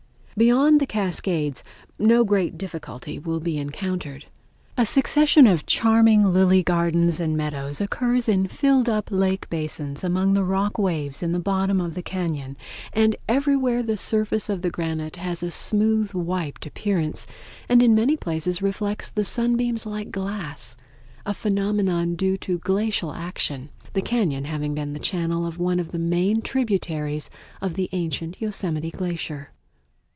Beyond the Cascades no great difficulty will be encountered. A succession of charming lily gardens and meadows occurs in filled up lake basins among the rock waves in the bottom of the cañon, and everywhere the surface of the granite has a smooth wiped appearance, and in many places reflects the sunbeams like glass, a phenomenon due to glacial action, the cañon having been the channel of one of the main tributaries of the ancient Yosemite Glacier.